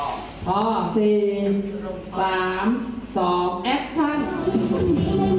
สุดท้ายก็ไม่มีเวลาที่จะรักกับที่อยู่ในภูมิหน้า